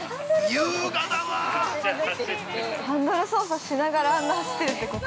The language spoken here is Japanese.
ハンドル操作しながらあんな走ってるってこと？